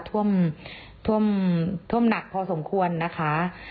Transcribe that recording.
ท่วมหนักพอสมควรนะคะ